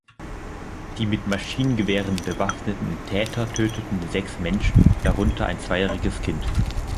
Die mit Maschinengewehren bewaffneten Täter töteten sechs Menschen, darunter ein zweijähriges Kind.